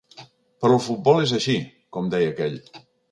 Però el futbol és així, com deia aquell.